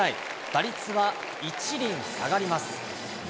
打率は１厘下がります。